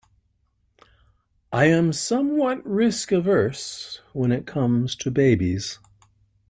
I am somewhat risk-averse when it comes to babies.